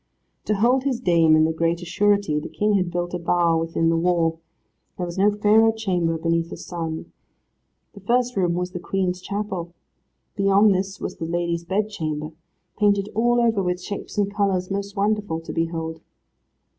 To hold his dame in the greater surety, the King had built a bower within the wall; there was no fairer chamber beneath the sun. The first room was the Queen's chapel. Beyond this was the lady's bedchamber, painted all over with shapes and colours most wonderful to behold.